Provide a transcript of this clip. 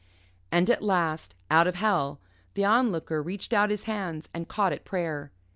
And at last, out of hell, the Onlooker reached out his hands and caught at prayer.